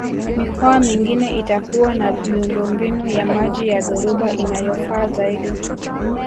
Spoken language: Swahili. Mikoa mingine itakuwa na miundombinu ya maji ya dhoruba inayofaa zaidi